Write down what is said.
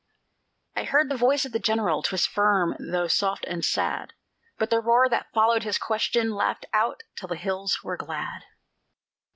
I heard the voice of the General, 'Twas firm, though low and sad; But the roar that followed his question Laughed out till the hills were glad.